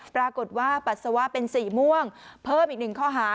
ปรากฏว่าปัสสาวะเป็นสีม่วงเพิ่มอีก๑ข้อหา